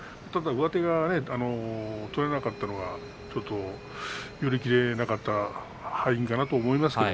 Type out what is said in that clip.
ただ上手が取れなかったのが寄り切れなかった敗因かなと思います。